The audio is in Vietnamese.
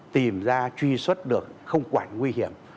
tìm ra truy xuất được không quản nguy hiểm